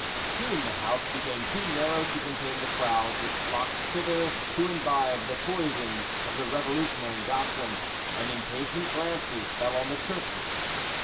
Soon the house became too narrow to contain the crowds which flocked thither to imbibe the poison of the revolutionary doctrine, and impatient glances fell on the churches.